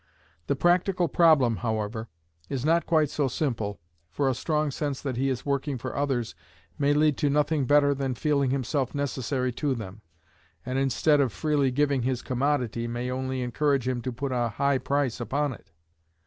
The practical problem, however, is not quite so simple, for a strong sense that he is working for others may lead to nothing better than feeling himself necessary to them, and instead of freely giving his commodity, may only encourage him to put a high price upon it.